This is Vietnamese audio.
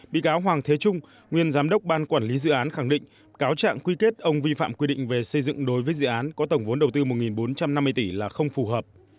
bị cáo hoàng thế trung nguyên giám đốc ban quản lý dự án khẳng định cáo trạng quy kết ông vi phạm quy định về xây dựng đối với dự án có tổng vốn đầu tư một bốn trăm năm mươi tỷ là không phù hợp